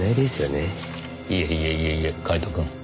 いえいえいえいえカイトくん。